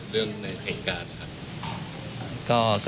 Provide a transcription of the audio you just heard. เรื่องแห่งการนะครับ